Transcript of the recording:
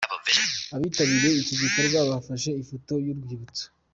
Abitabiriye iki gikorwa bafashe ifoto y'urwibutso.